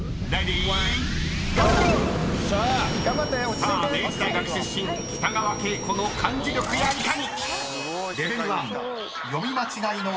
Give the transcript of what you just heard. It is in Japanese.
［さあ明治大学出身北川景子の漢字力やいかに⁉］